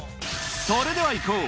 それでは行こう！